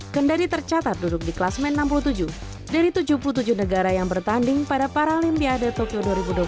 kendari tercatat duduk di kelasmen enam puluh tujuh dari tujuh puluh tujuh negara yang bertanding pada paralimpiade tokyo dua ribu dua puluh